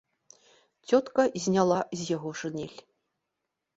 Цётка зняла з яго шынель.